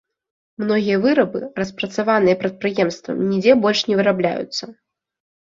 Многія вырабы, распрацаваныя прадпрыемствам, нідзе больш не вырабляюцца.